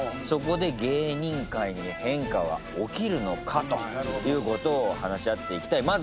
そこで芸人界に変化は起きるのかということを話し合っていきたい。